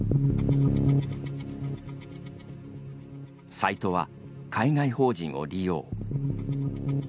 サイトは海外法人を利用。